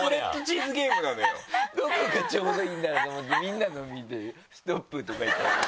どこがちょうどいいんだろう？と思ってみんなのを見て「ストップ」とか言って。